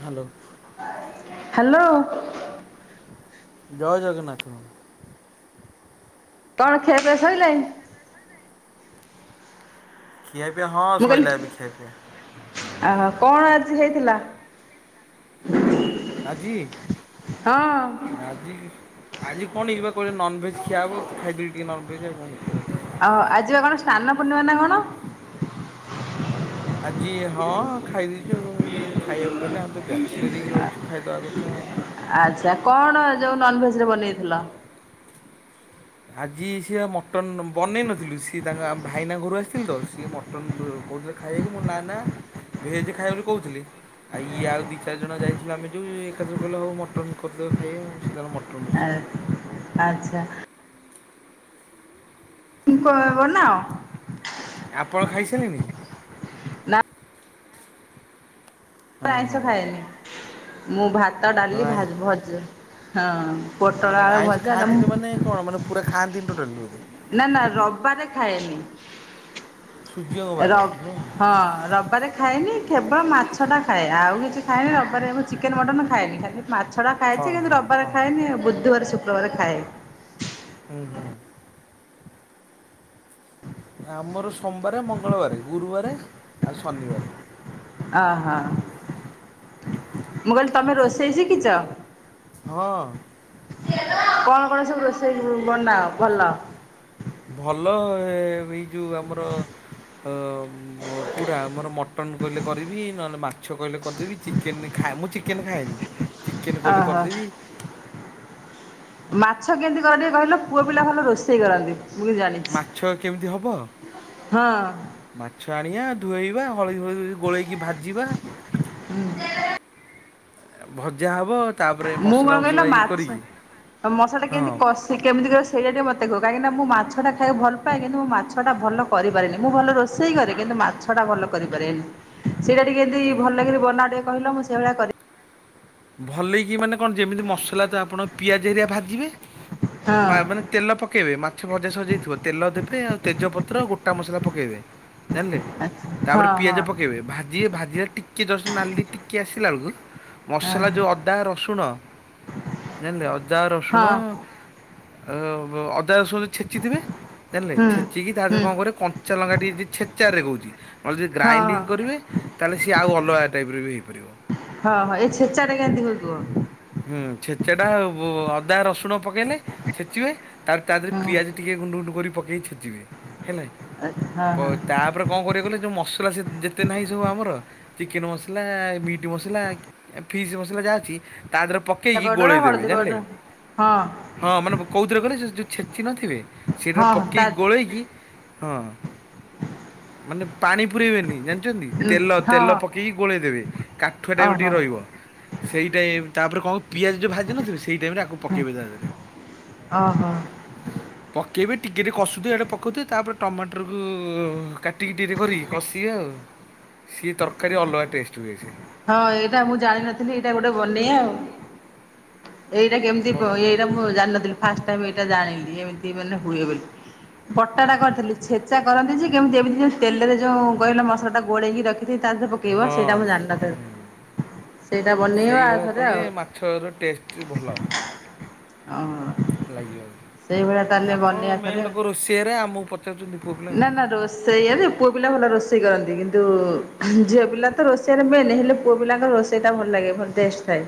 Hello [unintelligible] hello ଜୟ ଜଗନ୍ନାଥ। କଣ ଖିଆପିଆ ଶଇଲାଣି ଖିଆଇ ପିଆ ହଁ ମୁଁ କହିଲି ସରଲା ଏବେ ଖିଆଇ ପିଆ ଆ କଣ ଆଜି ହେଇଥିଲା? ଆଜି? ହଁ ଆଜିି ଆଜି କଣ ଯଇିବା କହିଲେ ନନଭେଜ୍ ଖିଆବ ଖାଇବି ଟିକେ ନନ ଭେଜ ଆଉ କଣ କରିବା ଓଉ ଆ ଯିବା କଣ ସ୍ନାନ ପୂର୍ଣ୍ଣିମା ନା କଣ ଆଜି ହଁ ଖାଇଦେଇଛ ଇଏ ଖାଇବାକୁ କହିଲା ଆମେ ବ୍ୟାଚିଲର ହେଇକି ରହିଛୁ ଖାଇଦେବା କଥା ଆଉ। ଆଚ୍ଛା କଣ ଯେଉଁ ନନଭେଜରେ ବନେଇଥିଲ? ଆଜି ସିଏ ମଟନ୍ ବନେଇ ନଥିଲୁ ସିଏ ତାଙ୍କ ଭାଇନା ଘରୁ ଆସିଥିଲେ ତ ସିଏ ମଟ କହୁ ଖାଇବାକୁ ମୁଁ ନା ନା ଭେଜ ଖାଇବା ବୋଲି କହୁଥିଲି। ଆଉ ଇଏ ଆଉ ଦୁଇ ଚାରି ଜଣ ଯାଇଥିଲୁ ଆମେ ଯେଉଁ ଏକାଥ୍ର କଲେ ହେଉ ମଟନ୍ କରିଦବା ଖାଇବା ସେଳେ ମଟନ୍ ଆ ରୋଷେଇ କଲେ। ଆଚ୍ଛା ବନାଅ ଆପଣ ଖାଇସାରିଲେଣି? ନା ହଁ ଆଇଁସ ଖାଏନି। ମୁଁ ଭାତ ଡାଲି ହଁ ଭଜ ହଁ ଆ ପୋଟଳ ଆଳୁ ଆଇଁଷ ଭଜା ହେ ଖାଆନ୍ତିନି ମୁଁ ମାନେ କଣ ମାନେ ଖାଆନ୍ତିନି ଟୋଟାଲି? ନା ନା ରବିବାରେ ଖାଏନି ସୂର୍ଯ୍ୟଙ୍କ ବାର ରବ ନୁହଁ ହଁ ରବିବାରେ ଖାଇନି କେବଳ ମାଛ ଟା ଖାଏ। ଆଉ କିଛି ଖାଇଏନି ରବାରେ ଚିକେନ ମଟନ୍ ଖାଏନି ଖାଲି ମାଛଟା ହଁ ଖାଛି କିନ୍ତୁ ହଁ ରବିବାର ହଁ। ଖାଏନି। ଆଉ ବୁଧବାର ଶୁକ୍ରବାର ଖାଏ ହୁଁ ହୁଁ। ଆମର ସୋମବାର, ମଙ୍ଗଳବାର, ଗୁରୁବାର ଆଉ ଶନିବାର। ଅହୋ ମୁଁ କହିଲି ତମେ ରୋଷେଇ ଶିଖିଛ? ହଁ। କଣ କଣ ସବୁ ରୋଷେଇ ବନାଅ? ଭଲ। ଭଲ ଏଇ ଯୋଉ ଆମର କେଉଁଟା ଆମର ମଟନ୍ କହିଲେ କରିବି। ନହେଲେ ମାଛ କହିଲେ କରିଦେବି। ଚିକେନ ଖାଏ ମୁଁ ଚିକେନ୍ ଖାଏନି ଚିକେନ୍ କହିଲେ ଓହୋ କରିଦେବି। ମାଛ କେମିତି କର ଟିକେ କହିଲ ପୁଅ ପିଲା ଭଲ ରୋଷେଇ କରନ୍ତି। ମୁ ଜାଣିଛି, ମାଛ କେମିତି ହବ? ହଁ। ମାଛ ଆଣିବା ଧୋଇଇବା ହଳଦୀ ହଳଦ ଗୋଳେଇକି ଭାଜିବା। ଭଜା ହବ। ତାପରେ ମୁଁ ମସଲା କଣ କହିଲ, ଫସଲା ଇଏ କରିକି ମାଛ ମସଲା ଟା କେମିତି ହଁ କଷ ସେମତି କିବ ସେଇଟା ଟିକ ମତେ କାହିଁକିନା ମୁଁ ମାଛା ଖାଇକୁ ଭଲପଏ କିନ୍ତୁ ମୁଁ ମାଛଟା ଭଲ କରିପାରେନି ମୁଁ ଭଲ ରୋଷେଇ କରେ କିନ୍ତୁ ମାଛ ଟା ଭଲ କରିପାରେନି। ସେଇଟା ଟିକେମିତି ଭଲ ଲାଗି ବନା ଟିକେ କହିଲ ମୁଁ ସେଇ ଭଳିଆ କରିବି। ଭଲେଇକି ମାନେ କଣ ଯେମିତି ମସଲା ତ ଆପଣ ପିଆଜ ହେରିଆ ଭାଜିବେ ହଁ ମାନେ ତେଲ ପକେଇବେ ମାଛ ଭଜା ସରିଯାଇଥିବ ତେଲ ଦେବେ ଆଉ ତେଜପତ୍ର ଗୋଟା ମସଲା ପକେଇବେ। ଜାଣିଲେ। ହଁ ତାପରେ ପିଆଜ ହଁ ପକେଇବେ ଭାଜିବେ ଭାଜି ଟିକେ ଜଷ୍ଟ୍ ନାଲି ଟିକେ ଆସିଲା ବେଳକୁ। ମସଲା ଯୋଉଁ ଅଦା ରସୁଣ ଜାଣିଲେ ଅଦା ରସୁଣ। ହଁ ଅ ବ ଅଦା ରସୁଣ ଛେଚିଥିବେ ଜାଣିଲେ ହୁଁ ଛେଚିକି ତା ଦେହରେ ହୁଁ କଣ କରିବେ କ। କଂଚା ଲଙ୍କା ଟିକଏ ଯଦି ଛେଚାରରେ କହୁଛି ନହେଲେ ଯଦି ହଁ ଗ୍ରାଇଡିଙ୍ଗ୍ କରିବେ। ତାହେଲେ ସିଏ ଆଉ ଅଲଗା ଟାଇପ୍ ର ବି ହୋଇପାରିବ। ହଁ ହଁ ଏଇ ଛେଚାଟେ କେମିତି ହୁଏ କୁହ। ହୁଁ ଛେଚା ଟା ଅଦା ରସୁଣ ପକେଇଲେ। ଛେଚିବେ ତାପରେ ତା ଦେହରେ ପିଆଜ ଟିକେ ଗୁଣ୍ଡୁ ଗୁଣ୍ଡୁ କରି ପକେଇ ଛେଚିବେ ହେଲାକି‌। ହଁ ପ ହଁ ତାପରେ। କଣ କରିବେ କହିଲେ ଯେଉଁ ମସଲା ଯେତେ ନାହିଁ ସବୁ ଆମର ଚିକେନ୍ ମସଲା ମିଟ୍ ମସଲା। ଫିସ୍ ମସଲା ଯାହା ଅଛି ତା ଦେହରେ ଜିରା ପକେଇକି ପାଉଡର ଗୋଳେଇ ଦେବେ ହଳଦୀ ଜାଣିଲେ। ପାଉଡର ହଁ ହଁ ମାନେ କୋଉଥିରେ କହିଲେ ଯେଉଁ ଛେଚି ନଥିବେ ସେଇଟାରେ ହଁ ତା ପକେଇକି ଗୋଳେଇକି। ହଁ ମାନେ ପାଣି ପୁରେଇବେନି। ହଁ ତେଲ ତେଲ ହଁ ପକେଇକି ଗୋଳେଇ ଦେବେ କାଠୁଆ ଟାଇପ୍ ର ଟିକେ ଓହୋ ରହିବ ସେଇଟା। ତାପରେ କଣ ପିଆଜ ଯୋଉଁ ଭାଜି ନଥିବେ ସେଇ ଟାଇମ୍ ରେ ଆକୁ ପକେଇବେ ତା ଦେହରେ। [unintelligible] ପକେଇବେ ଟିକେ ଟିକେ କଷୁଥିବେ ଇଆଡ଼େ ପକଉଥିବେ ତାପରେ ଟମାଟରକୁ କାଟିକି ଟିକେ ଟିକେ କରିକି। କଷିବେ ଆଉ ସିଏ ତରକାରୀ ଅଲଗା ଟେଷ୍ଟ ହୁଏ ସେ। ହଁ ଏଇଟା ମୁଁ ଜାଣିନଥିଲି ଏଇଟା ଗୋଟେ ବନେଇବା। ଏଇଟା କେମିତି ବ ଏଇଟା ମୁଁ ଜାଣିନଥିଲି ଫାଷ୍ଟ୍ ଟାଇମ୍ ଏଇଟା ଜାଣିଲି ଏମିତି ମାନେ ହୁଏ ବୋଲି। ବଟାଟା କରିଥିଲି ଛେଚା କରନ୍ତି ଯେ କେମିତି ଏମିତି ଯୋ ତେଲରେ ଯୋଉ କହିଲ ମସଲା ଟା ଗୋଳେଇକି ରଖି। କି ତା ଧିଅରେ ହଁ। ପକେଇବ ସେଟା ମୁଁ ଜାଣିନଥିଲି। ହୁଁ ସେଇଟା ବନେଇବା ଆଉ ସେଇଭଳିଆ ଥରେ କଲେ ଆଉ ମାଛର ଟେଷ୍ଟ ଭଲ। ଲାଗିବ। ସେଇଭଳିଆ ତାହେଲେ ଆପଣ ବନେଇବା ଥରେ। ମେନ୍ ଲୋକ ରୋଷିଆ ରେ ଆମକୁ ପଚାରୁଛନ୍ତି ପୁଅ ପିଲାଙ୍କୁ। ସେଇଆ ଯେ ପୁଅ ପିଲା ଭଲ ରୋଷେଇ କରନ୍ତି କିନ୍ତୁ ଝିଅ ପିଲା ତ ରୋଷେଇଆ। ରେ ମେନ୍ ହେଲେ ପୁଅ ପିଲାଙ୍କ ରୋଷେଇ ଟା ଭଲ ଲାଗେ ଭଲ ଟେଷ୍ଟ ଥାଏ।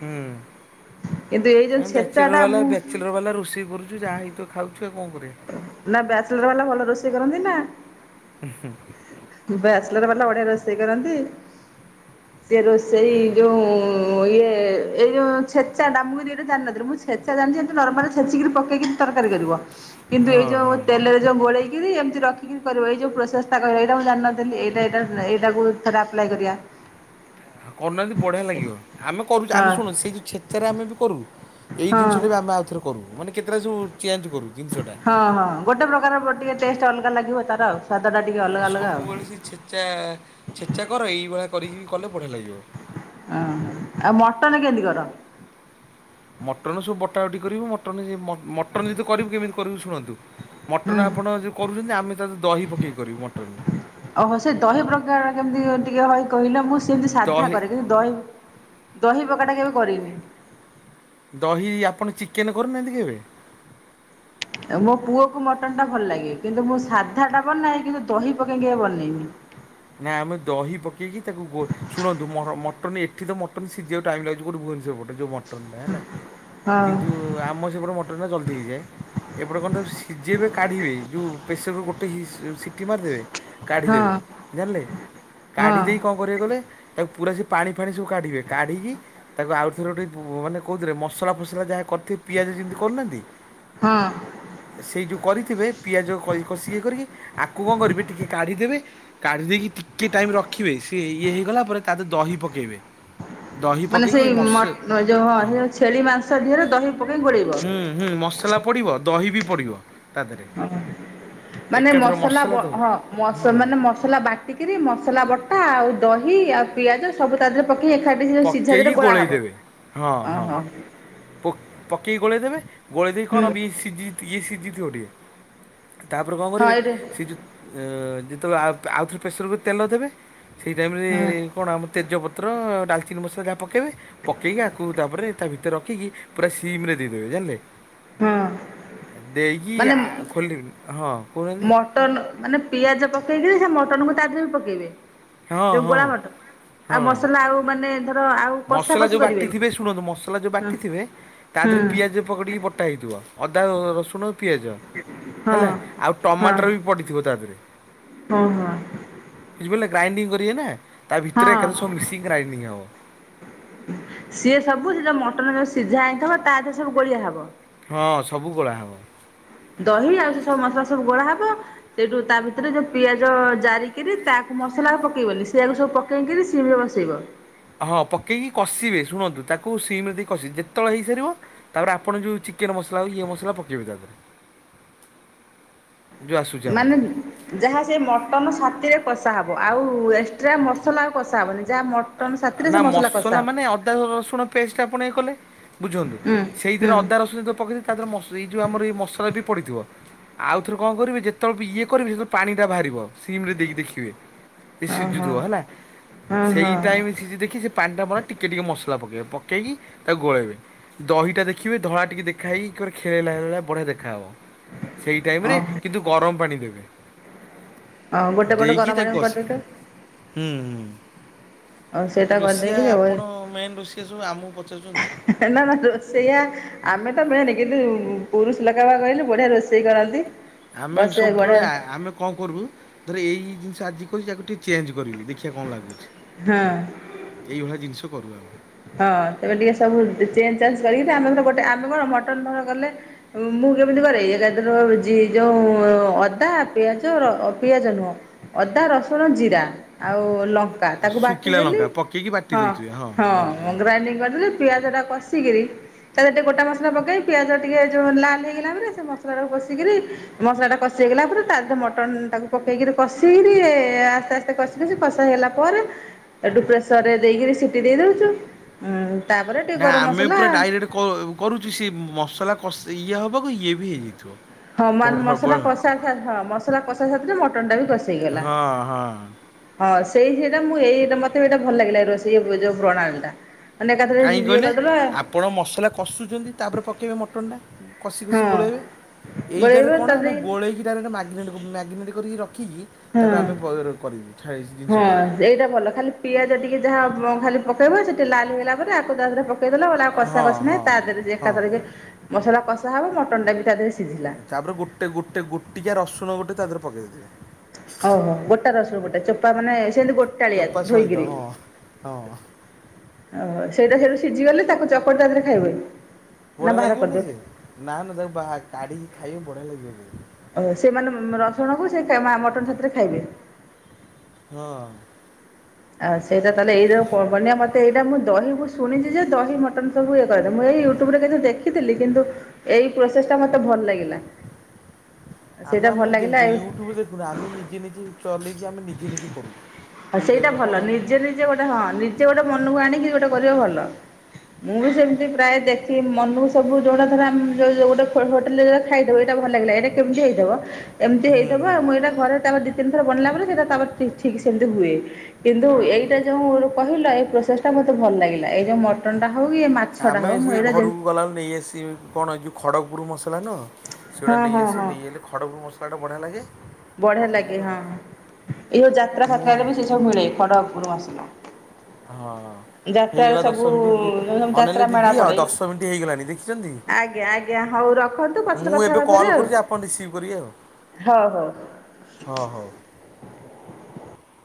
ହୁଁ। କିନ୍ତୁ ଏଇ ଯୋଉ ଆମେ ଛେଚା ବ୍ୟାଚଲର ଟା ବାଲା ମୁଁ। ବ୍ୟାଚଲର ବାଲା ରୋଷେଇ କରୁଛି ଯା ହେଇଥିବ ଖାଉଛି ଆଉ କଣ କରିବି। ନା ବ୍ୟାଚଲର୍ ବାଲା ଭଲ ରୋଷେଇ କରନ୍ତି ନା‌। ବ୍ୟାଚଲର୍ ବାଲା ବଢିଆ ରୋଷେଇ କରନ୍ତି ସେ ରୋଷେଇ ଯୋଉ। ଉ ଇଏ। ଏଇ ଯୋଉ ଛେଚା ଟା ମୁଁ ଏମିତି ଏଇଟା ଜାଣିନଥିଲି ମୁଁ ଛେଚା ଜାଣିଛି ଏମତି ନର୍ମାଲ ଛେଚିକି ପକେଇକି ତରକାରୀ କରିବ। କିନ୍ତୁ ଏଇ ହଁ ଯୋଉ ହଁ ତେଲରେ। ଯୋଉ ଗୋଳେଇକିରି ଏମିତି ରଖିକି କରିବ ଏଇଯୋଉଁ ପ୍ରୋସେସ୍ ଟା କହିଲ ଏଇଟା ମୁଁ ଜଣିନଥିଲ ଏଇଟା ଏଇଟା ଏଇଟାକୁ। ଥରେ ଆପ୍ଲାଏ କରିବା। କରୁନାହାନ୍ତି ବଢିଆ ଲାଗିବ ଆମେ କରୁଛୁ ଆମେ ହଁ ଶୁଣୁ ସେଇ ଯୋଉ ଛେଚାରେ ଆମେ ବି କରୁ। ଏଇ ହଁ। ଜିନିଷଟା ବି ଆମେ ଆଉଥରେ କରୁ ମାନେ କେତେଟାବି ଚେଞ୍ଜ କରୁ ଜିନିଷଟା। ହଁ ହଁ ଗୋଟେ ପ୍ରକାର ଗୋଟିଏ ଟେଷ୍ଟ ଅଲଗା ଲାଗିବ ତାର ଆଉ ସ୍ୱାଦ ଟା ଟିକେ ଅଲଗା ଅଲଗା ଆଉ। ଚା ଛେଚା କର ଏଇଭଳିଆ କରିକି ବି କଲେ ବଢ଼ିଆ ଲାଗିବ। ହଁ ଆଉ ମଟନ କେମିତି କର। ମଟନ୍ ସବୁ ବଟା ବଟି କରିବୁ ମଟନ୍ ମଟନ୍ ଯଦି କରିବୁ କେମିତି କରିବୁ ଶୁଣନ୍ତୁ। ମଟନ୍ ହୁଁ। ଆପଣ ଯୋଉ କରୁଛନ୍ତି ଆମେ ତା ଦେହରେ ଦହି ପକେଇି କରିବୁ ମଟନରେ। ଓହୋ ସେ ଦହି ପ୍ରକାର କେମିତି ଟିକେ ଭାଇ କହିଲେ ମୁଁ ସେମିତି ସାଧା ଦହି କରେ କିନ୍ତୁ। ଦହି ଦହି ପ୍ରକାରଟା କେବେ କରିନି। ଦହି ଆପଣ ଚିକେନ କରିନାହାନ୍ତି କେବେ। ମୋ ପୁଅକୁ ମଟନ୍ ଟା ଭଲ ଲାଗେ। କିନ୍ତୁ ମୁଁ ସାଧାଟା ବନାଏ କିନ୍ତୁ ଦହି ପକାଇକି କେବେ ବନେଇନି। ନା ଆମେ ଦହି ପକେଇକି ତାକୁ ଗୋ। ଶୁଣନ୍ତୁ ମ-ମଟନ୍ ଏଠି ତ ମଟନ୍ ସିଜିବାକୁ ଟାଇମ୍ ଲାଗୁଚି କଉଠେ ଭୁବନେଶ୍ୱର ପଟେ ଯଉ ମ ମଟନ୍ ଟା ହେଲା ହଁ କିନ୍ତୁ ଆମର ସେପଟେ ମଟନ୍ ଟା ଜଲ୍ଦି ହେଇଯାଏ। ଏପଟେ କଣ ତାକୁ ସିଜେଇବେ କାଢ଼ିବେ ଯଉ ପ୍ରେସର୍ କୁକର୍ ଟେ ହିସ୍- ସିଟି ମାରିଦେବେ ହଁ କାଢିଦେବେ ଜାଣିଲେ ହଁ କାଢି ଦେଇେ କଣ୍ କରିବେ କହିଲେ ତାକୁ ପୁରା ସେ ପାଣି ଫାଣି ସବୁ କାଢିବେ କାଢ଼ିକି ତାକୁ ଆଉଥରେ ଗୋଟେ ମାନେ କଉଥିରେ ମସଲା ଫସଲା ଯାହା କରିଥି ପିଆଜ ଯେମିତି କରୁନାହାଁନ୍ତି ହଁ। ସେଇ ଯଉ କରିଥିବେ ପିଆଜ କଇ -କଷିକି କରିକି ଆକୁ କଣ କରିବି ଟିକିଏ କାଢ଼ିଦେବି କାଢ଼ିଦେଇକି ଟିକିଏ ଟାଇମ୍ ରଖିବେ ସେ ଇଏ ହେଇଗଲା ପରେ ତା ଦେ ଦହି ପକେଇବେ। ମାନେ ସେଇ ମଟ୍- ଯଉ ସେ ଛେଳି ମାଂସ ଦିହରେ ଦହି ପକେଇକି ଗୋଳେଇବ। ହୁଁ ହୁଁ ମସଲା ପଡ଼ିବ ଦହି ବି ପଡ଼ିବ। ତା ଦେହରେ ଓ ମାନେ ଏକାଥର ମସଲା ବ- ଦହି ହଁ ମସ- ହୁଁ ମାନେ ମସ ମସଲା ବାଟିକିରି ମସଲା ବଟା ଆଉ ଦହି ଆଉ ପିଆଜ ସବୁ ତା ଦେହରେ ପକେଇି ଏକାଠି ସେ ସିଝା ପକେଇକି ଦେହରେ ଗୋଳା ଗୋଳେଇ ହବ? ଓହୋ। ପ-ପକେଇ ଗୋଳେଇ ଦେବେ ଗୋଳେଇ ଦେଇକି କଣ ହୁଁ ବି-ସିଜି- ଇଏ ସିଝିଥିବ ଟିକେ ତାପରେ କଣ ହଁ କରିବେ ଏଇଠି ସେ ଯଉ ଉ- ଯେତେବେଳେ ଆଉଥରେ ପ୍ରେସର କୁକର ରେ ତେଲ ଦେବେ ସେଇ ଟାଇମ୍ ରେ ହଁ କଣ ଆମ ତେଜପତ୍ର ଡାଳଚିନି ମସଲା ଯାହା ପକେଇବେ ପକେଇକି ଆକୁ ତାପରେ ତା ଭିତରେ ରଖିକି ପୁରା ସିମ୍ ରେ ଦେଇଦେବେ ଜାଣିଲେ ହଁ ଦେଇକି ଆ- ଖୋଲି -ହଁ। କହୁନାହାନ୍ତି ମଟନ୍ ମାନେ ପିଆଜ ପକେଇକିରି ସେ ମଟନ‌୍ କୁ ତା ଦେହରେ ପକେଇବେ? ହଁ ଯଉ ହଁ ଗୁଳା ମଟନ୍ ଆଉ ହଁ ମସଲା ଆଉ ମାନେ ଧର ଆଉ କଷା ମସଲା କଷି ଯଉ କରିବେନି। ବାଟିଥିବେ ଶୁଣନ୍ତୁ ମସଲା ଯଉ ହଁ ବାଟିଥିବେ ତା ହଁ ଦେହରେ ପିଆଜ ପକଡ଼ିକି ବଟା ହେଇଥିବ ଅଦା, ରସୁଣ ପିଆଜ ହଁ ହେଲା ଆଉ ହଁ ଟମାଟର ବି ପଡ଼ିଥିବ ତା ଥିରେ। ହଁ ହଁ। ବୁଝିପାରିଲେ ଗ୍ରାଇଣ୍ଡିଙ୍ଗ୍ କରିବେ ନା ତା ଭିତରେ ହଁ ଏକାଥରେ ସବୁ ମିଶିକି ଗ୍ରାଇଣ୍ଡିଙ୍ଗ୍ ହବ। ସିଏ ସବୁ ସେ ଯଉ ମଟନ ଯଉ ସିଝା ହେଇଥିବ ତା ଦେହରେ ସବୁ ଗୋଳିଆ ହବ? ହଁ ସବୁ ଗୋଳା ହବ। ଦହି ଆଉ ସେ ସବୁ ମସଲା ସବୁ ଗୋଳା ହବ ସେଇଠୁ ତା ଭିତରେ ଯଉ ପିଆଜ ଜାରିକିରି ତାକୁ ମସଲା ଆଉ ପକେଇବନି ସେଇଆକୁ ସବୁ ପ ପକେଇକିରି ସିମ୍ ରେ ବସେଇବ? ହଁ ପକେଇକି କଷିବେ ଶୁଣନ୍ତୁ ତାକୁ ସିମ୍ ରେ ଦେଇ କଷି ଯେତେବଳେ ହେଇସାରିବ ତାପରେ ଆପଣ ଯଉ ଚିକେନ୍ ମସଲା ହଉ ଇଏ ମସଲା ପକେଇବେ ତା ଦେହରେ। ଯୋଉ ଆସୁଛି ଆମର। ମାନେ ଯାହା ସେ ମଟନ ସାଥିରେ କଷାହବ ଆଉ ଏକ୍ସଟ୍ରା ମସଲା ଆଉ କଷା ହବନି? ଯାହା ମଟନ ସାଥିରେ ସେ ଆ-ଆ-ନା କଷା ମସଲା ହବ ମାନେ ଅଦା ରସୁଣ ପେଷ୍ଟ ଆପଣ ଇଏ କଲେ ବୁଝନ୍ତୁ ହୁଁ ସେଇଥିରେ ହୁଁ ଅଦା ରସୁଣ ଯଉ ପକେଇଚନ୍ତି ତା ଦେହରେ ମସ- ଏଇ ଯଉ ଆମର ଏ ମସଲା ବି ପଡିଥିବ। ଆଉଥରେ କଣ କରିବେ ଯେତବେଳେ ଇଏ କରିବେ ସେତେବେଳେ ପାଣି ଟା ବାହାରିବ ସିମ୍ ରେ ଦେଇକି ଦେଖିବେ। ସେ ଓହୋ ସିଜୁଥିବ ହେଲା ଓହୋ ସେଇ ସିଜି କି ଦେଖି ସେ ପାଣି ଟା ମଲେ ଟିକେ ଟିକେ ମସଲା ପକେଇବେ ପକେଇକି ତାକୁ ଗୋଳେଇବେ ଦହିଟା ଦେଖିବେ ଧଳା ଟିକେ ଦେଖା ହେଇକି ଗୋଟେ ଖେଳେଇଲା ଭଳିଆ ବଢିଆ ଦେଖାହବ। ସେଇ ଟାଇମ୍ ରେ ଓହୋ କିନ୍ତୁ ଗରମ୍ ପାଣି ଦେବେ। ହଁ ଗୋଟେ ପଟେ ଦେଇକି ଗରମ ତାକୁ ପାଣି କଷିବେ। କରିଦେଇଥିବେ ହୁଁ -ହୁଁ। ଆଉ ସେଇଟା ରୋଷେୟା କରିଦେଇକିରି ଆପଣ ମେନ୍ ରୋଷେୟା ସବୁ ଆମକୁ ପଚାରୁଚନ୍ତି। ନା -ନା ରୋଷେୟା ଆମେ ତ ମେନ୍ କିନ୍ତୁ ପୁରୁଷ ଲୋକ ବା କହିଲି ବଢିଆ ରୋଷେଇ କରନ୍ତି। ଆମେ ବି ବସେ ସବୁବେଳେ ବଢ଼ିଆ ଆ- ଆମେ କଣ କରିବୁ ଧର ଏଇ ଜିନିଷ ଆଜି କରିଚି ତାକୁ ଟିକେ ଚେଞ୍ଜ କରିବି ଦେଖିଆ କଣ ଲାଗୁଚି। ହଁ। ଏଇଭଳିଆ ଜିନିଷ କରୁ ଆମେ। ହଁ ତେମେ ଟିକେ ସବୁ ଚେଞ୍ଜ୍ ଚାଞ୍ କରିକି ଆମେ ଧର ଗୋଟେ ଆମେ କଣ ମଟନ୍ ଧର କଲେ ମୁଁ କେମିତି କରେ, ଏକାଥରକ ଜି ଯୋ ଯୋଉ ଅଦା ପିଆଜ ର ପିଆଜ ନୁହଁ। ଅଦା ରସୁଣ ଜିରା ଆଉ ଲ କା ତାକୁ ଶୁଖିଲା ବାଟିଦେଲି ଲଙ୍କା ପକେଇକି ବାଟି ହଁ ଦଉଥିବେ ହଁ। ଜାଣିଲି କରିଦେଲି ପିଆଜ ଟା କଷିକିରି ତାରେ ଟିକେ ଗୋଟା ମସଲା ପକେଇକି ପିଆଜ ଟିକେ ଯେଉଁ ଲାଲ ହୋଇଗଲା ପରେ ସେ ମସଲାଟାକୁ କଷିକିରି ମସଲା ଟା କଷି ହେଇଗଲା ପରେ ତାଦିହରେ ମଟନ ଟାକୁ ପକେଇକିରି କଷିକିରି ଆସ୍ତେ ଆସ୍ତେ ମିତି କଷି କଷି କଷା ହେଇଗଲା ପରେ ସେଠୁ ପ୍ରେସର ରେ ଦେଇକରି ସିଟି ଦେଇ ଦୋଉଚୁ। ଉଁ ତାପରେ ଟିକେ ନା ଗରମ ଆମେ ମସଲା ପୁରା ଡାଇରେକ୍ଟ କ କରୁଛି ସେ ମସଲା କସ ଇଏ ହବାକୁ ଇଏ ବି ହେଇଯାଇଥିବ। ହଁ ମା ମସଲା ହଁ କଷା ସା ହଁ ମସଲା କଷା ସାଥିରେ ମଟନ୍ ଟା ବି କଷି ହେଇଗଲା। ହଁ। ହଁ ସେଇ ସେଇଟା ମୁଁ ଏଇ ଏଇଟା ମତେ ବି ଏଇଟା ଭଲ ଲାଗିଲା ରୋଷେଇ ଯୋଉ ପ୍ରଣାଳୀ ଟା। ମାନେ ଏକାଥରେ କାହିଁକି ଇଏ କହିଲେ କରିଦେଲ ଆପଣ ମସଲା କଷୁଛନ୍ତି ତାପରେ ପକେଇବେ ମଟନ୍। କଷି କଷି ହଁ ଗୋଳେଇବେ, ଗୋଳେଇବ ଏଇଟାରେ କଣ ଆମେ ତାପରେ ଗୋଳେଇକି ଡାଇରେକ୍ଟ ମ୍ୟାଗିନେଟ୍ ମ୍ୟାଗିନେଟ୍ କରିକି ରଖିକି ହଁ। ତାକୁ ଆମେ ବ ର କରିବୁ ଥା ଏ ଜିନିଷ ହଁ ଟା। ଏଇଟା ଭଲ ଖାଲି ପିଆଜ ଟିକେ ଯାହା ଅ ଖାଲି ପକେଇବ ସେ ଟିକେ ଲାଲ୍ ହେଇଗଲା ପରେ ଆକୁ ତାପରେ ପକ ପକେଇଦେଲା ବେଳେ ଆଉ କଷା ହଁ କଷି ନାହିଁ। ହଁ ତା ଦେହରେ ଯେ ହଁ ଏକାଥରକେ ମସଲା କଷା ହବ ମଟନ ଟା ବି ତା ଦେହରେ ସିଝିଲା। ତାପରେ ଗୋଟେ ଗୋଟେ ଗୋଟିକା ରସୁଣ ଗୋଟେ ତା ଦେହରେ ପକାଇ ଦେଇେଥିବେ। ଓହୋ ଗୋଟା ରଶୁଣ ଗୋଟେ ଚୋପା ମାନେ ସେମିତି ଗୋଟାଳିଆ ଚୋପା ସହିତ ଧୋଇକିରି। ହଁ ହଁ ଓ ସେଇଟା ସେଇଠୁ ସିଝି ଗଲେ ତାକୁ ଚକଟି ତାଦିହରେ ଖାଇବେ। ନା ବଢ଼ିଆ ବାହାର ଲାଗିବନି କରିଦେବେ ସିଏ, ନା ନା ତାକୁ ବା କାଢ଼ିକି ଖାଇବେ ବଢିଆ ଲାଗିବ ସିଏ। ଓ ସେମାନେ ରସୁଣକୁ ସେ ମା ମଟନ୍ ସାଥିରେ ଖାଇବେ। ହଁ। ଆଉ ସେଇଟା ତାହେଲେ ଏଇରକ ବନେଇବା। ମତେ ଏଇଟା ମୁଁ ଦହି ମୁ ଶୁଣିଛି ଯେ ଦହି ମଟନ ସବୁ ଇଏ କରିଦେ ମୁଁ ଏଇ ୟୁଟ୍ୟୁବରେ ଦେଖିଥିଲି, କିନ୍ତୁ ଏଇ ପ୍ରୋସେସ ଟା ମତେ ଭଲ ଲାଗିଲା। [inaudible] ଆମେ ଭଲ ଆମର ଦେଖୁ ଲାଗିଲା ୟୁଟ୍ୟୁବ ଦେଖୁନୁ ଆମେ ନିଜେ ନିଜେ ଚଲେଇକି ଆମେ ନିଜେ ନିଜେ କରୁଛୁ। ହଁ କେଉଁ ସେଇଟା ଟାଇପ୍ର ଭଲ, ନିଜେ କ'ଣ ନିଜେ ଗୋଟେ ହଁ ନିଜେ ଗୋଟେ ମନକୁ ଆଣିକି ଗୋଟେ କରିବ ଭଲ। ମୁଁ ବି ସେମିତି ପ୍ରାୟ ଦେଖି ମନକୁ ସବୁ ଯୋଟା ଧର ଆମକୁ ଯୋଉ [unintelligible] ଖାଇଦଉ ଏଇଟା ଭଲ ଲାଗିଲା। ଏଇଟା କେମତି ହେଇଥିବ ଏମତି ହୁଁ ହେଇଥିବ ହୁଁ ଆ ମୁଁ ଏଇଟ ଘରେ ତାପ ଦି ତିନି ଥର ବନେ଼ଇଲା ପରେ ସେଟା ତାପ ଠିକ୍ ସେମିତି ହୁଏ। କିନ୍ତୁ ଏଇଟା ଯୋଉ କହିଲ ଏଇ ପ୍ରୋସେସ ଟା ମତେ ଭଲ ଲାଗିଲା, ଏଇ ଯୋଉ ମଟନ ଟା ହଉ କି ମା ଆମେ ସେ ଘରକୁ ଗଲାବେଳୁ ନେଇଆସି କଣ ଯେଉଁ ଖଡ଼ଗପୁର ମସଲା ନୁହଁ। ସେଗୁଡା ହଁ ନେଇ ହଁ ଆସୁ ହଁ ନେଇ ଆଇଲେ ଖଡ଼ଗପୂର୍ ମସଲା ଟା ବଢିଆ ଲାଗେ। ବଢିଆ ଲାଗେ ପକେଇଦେବୁ ଆଉ ହଁ ହଁ ଏଇ ଯୋଉ ଯାତ୍ରା ମୁଁ ଫାତ୍ରାରେ ବି ସେ ସବୁ ମିଳେ ଖଡକପୁର୍ ମସଲା। ହଁ ଯାତ୍ରାରେ ହେଇଗଲା ସବୁ ଦଶ ମିନିଟ୍ ଦିି ଯୋଉ ସବୁ ଅନେଇଲେ ଯାତ୍ରା ମେଳା ଦିଦି ଆଉ ପଡ଼େ ଦଶ ମିନିଟ୍ ହେଇଗଲାଣି ଦେଖିଛନ୍ତି। ଆଜ୍ଞା ଆଜ୍ଞା ହଉ ରଖନ୍ତୁ ପଛରେ ମୁଁ କଥା ଏବେ ହେବା ଫେରେ କଲ୍ ଆଉ। କରୁଛି ଆପଣ ରିସିଭ କରିବେ ଆଉ। ହଉ ହଉ। ହଁ ହଉ।